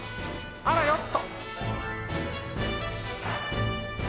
あらよっと！